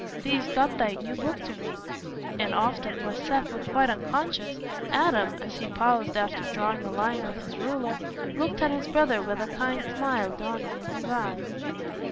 Thee'st got thy new book to read." And often, when Seth was quite unconscious, Adam, as he paused after drawing a line with his ruler, looked at his brother with a kind smile dawning in his eyes.